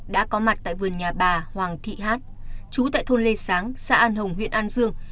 đã có mặt tại vườn nhà bà hoàng thị hát chú tại thôn lê sáng xã an hồng huyện an dương